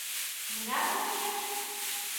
Мыняре шочеш?